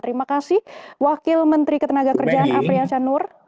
terima kasih wakil menteri ketenaga kerjaan afriyansya nur